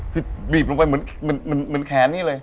คือบีบลงไปเหมือนแขนนี่เลย